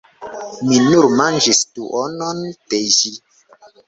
Mi nur manĝis duonon de ĝi!